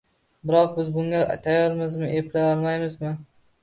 biroq biz bunga tayyormizmi, eplay olamizmi?